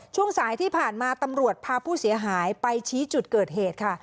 ช่วงสายที่ผ่านมาตำรวจพาผู้เสียหายไปชี้จุดเกิดเหตุค่ะ